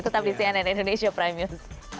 tetap di cnn indonesia prime news